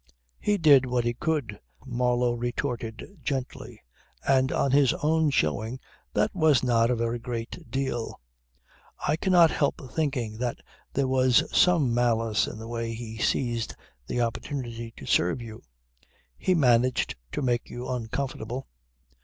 "He did what he could," Marlow retorted gently, "and on his own showing that was not a very great deal. I cannot help thinking that there was some malice in the way he seized the opportunity to serve you. He managed to make you uncomfortable.